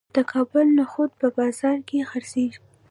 د کابل نخود په بازار کې خرڅیږي.